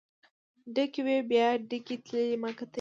ډکې وې بیا ډکې تللې ما کتلی.